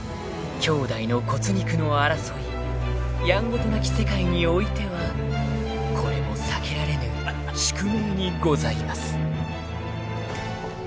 ［兄弟の骨肉の争いやんごとなき世界においてはこれも避けられぬ宿命にございます］